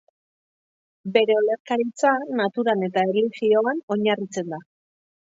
Bere olerkaritza naturan eta erlijioan oinarritzen da.